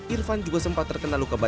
irfan juga sempat terkenal ke bacobet